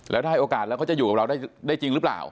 แล้วถ้าให้โอกาสแล้วเขาจะอยู่กับเราได้จริงหรือเปล่า